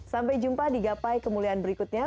sampai jumpa di gapai kemuliaan berikutnya